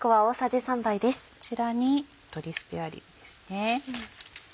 こちらに鶏スペアリブですね。